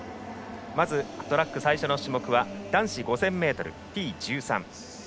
まずトラック最初の種目は男子５０００ｍＴ１３。